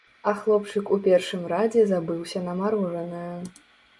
А хлопчык у першым радзе забыўся на марожанае.